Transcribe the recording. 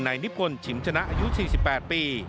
นายนิพคลฉิมชนะอายุ๔๘ปี